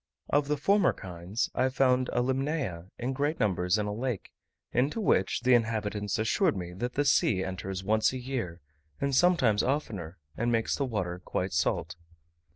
Of the former kinds, I found a Limnaea in great numbers in a lake, into which, the inhabitants assured me that the sea enters once a year, and sometimes oftener, and makes the water quite salt.